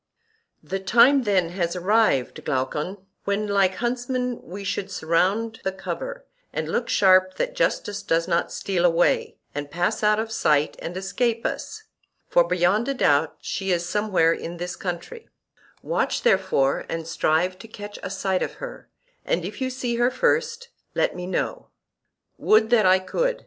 The time then has arrived, Glaucon, when, like huntsmen, we should surround the cover, and look sharp that justice does not steal away, and pass out of sight and escape us; for beyond a doubt she is somewhere in this country: watch therefore and strive to catch a sight of her, and if you see her first, let me know. Would that I could!